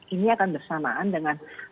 ini akan bersamaan dengan